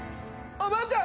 おばあちゃん